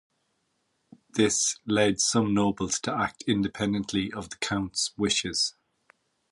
This led some nobles to act independently of the count's wishes.